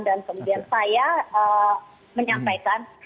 dan kemudian saya menyampaikan